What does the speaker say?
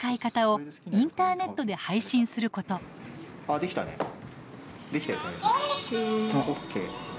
あできたね。